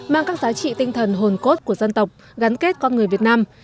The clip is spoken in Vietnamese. mang các giá trị tinh thần hồn cốt của dân tộc gắn kết con người việt nam